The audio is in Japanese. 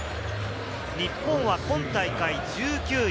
日本は今大会１９位。